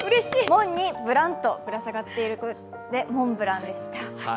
門にブランとぶら下がっているのでモンブランでした。